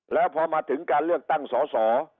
แล้วพอมาถึงการเลือกตั้งสอสอ